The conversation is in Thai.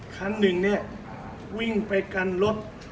คันหนึ่งเนี่ยวิ่งไปกันรถ